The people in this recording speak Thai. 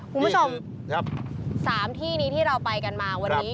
คุณผู้ชม๓ที่นี้ที่เราไปกันมาวันนี้